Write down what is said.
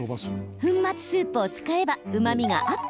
粉末スープを使えばうまみがアップ。